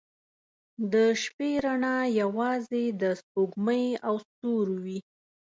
• د شپې رڼا یوازې د سپوږمۍ او ستورو وي.